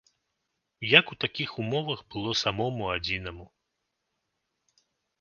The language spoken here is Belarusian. Як у такіх умовах было самому адзінаму?